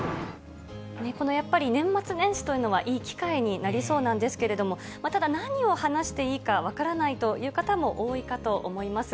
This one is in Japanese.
この、やっぱり年末年始というのは、いい機会になりそうなんですけれども、ただ、何を話していいか分からないという方も多いかと思います。